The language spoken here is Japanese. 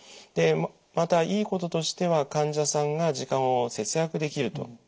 でまたいいこととしては患者さんが時間を節約できると。